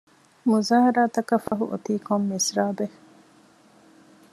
މުޒާހަރާތަކަށް ފަހު އޮތީ ކޮން މިސްރާބެއް؟